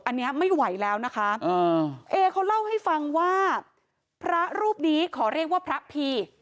อันนี้ไม่ไหวแล้วนะคะเอเขาเล่าให้ฟังว่าพระรูปนี้ขอเรียกว่าพระพี